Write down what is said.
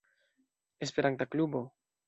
Esperanta klubo.